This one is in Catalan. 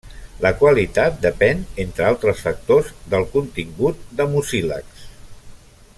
La qualitat depèn, entre altres factors, del contingut de mucílags.